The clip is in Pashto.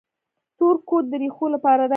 تور کود د ریښو لپاره دی.